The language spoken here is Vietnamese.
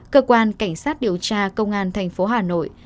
cơ quan cảnh sát điều tra công an thành phố hà nội